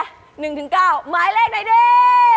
คุณแพร่๑๙ไม้เลขไหนดี